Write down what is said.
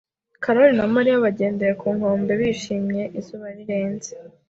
Karoli na Mariya bagendeye ku nkombe, bishimira izuba rirenze.